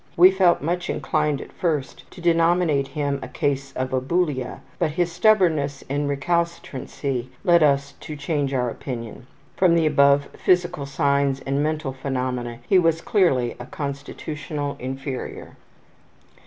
We felt much inclined at first to denominate him a case of abulia, but his stubbornness in recalcitrancy led us to change our opinion. From the above physical signs and mental phenomena he was clearly a constitutional inferior.